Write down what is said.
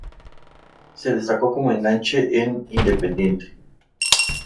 Se destacó como enganche en Independiente.